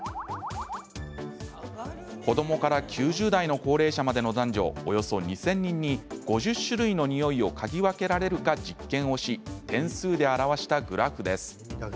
子どもから９０代の高齢者までの男女、およそ２０００人に５０種類の匂いを嗅ぎ分けられるか実験をし点数で表したグラフです。